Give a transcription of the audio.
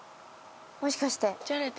もしかして？